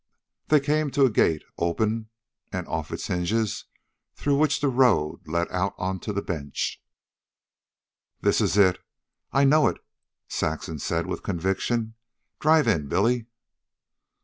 They came to a gate, open and off its hinges, through which the road led out on the bench. "This is it I know it," Saxon said with conviction. "Drive in, Billy."